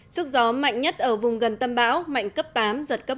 sức gió mạnh nhất ở vùng gần tâm bão mạnh cấp tám giật cấp một mươi một